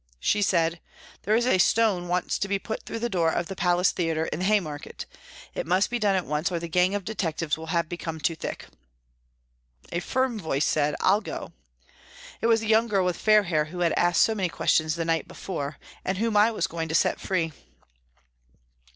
She said, " There is a stone wants to be put through the door of the Palace Theatre in the Haymarket. It must be done at once or the gang of detectives will have become too thick." A firm voice said :" I'll go." It was the young girl with fair hair who had asked so many questions the night before, and whom I was going to set free.